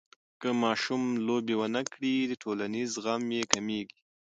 که ماشوم لوبې ونه کړي، ټولنیز زغم یې کمېږي.